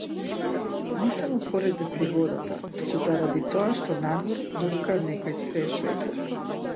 Не само поради пригодата, туку заради тоа што надвор дувка некој свеж ветер.